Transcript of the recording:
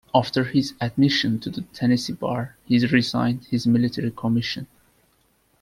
After his admission to the Tennessee Bar, he resigned his military commission.